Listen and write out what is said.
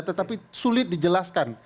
tetapi sulit dijelaskan